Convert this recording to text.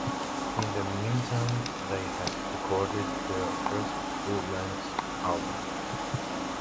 In the meantime, they had recorded their first full-length album.